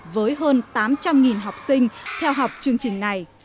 với hơn tám trăm linh học sinh theo học chương trình này